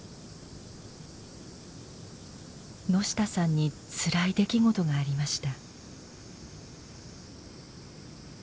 野下さんにつらい出来事がありました。